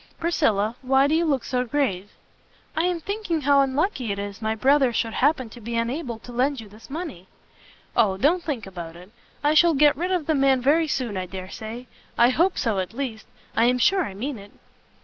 Priscilla, why do you look so grave?" "I am thinking how unlucky it is my Brother should happen to be unable to lend you this money." "O, don't think about it; I shall get rid of the man very soon I dare say I hope so, at least I am sure I mean it."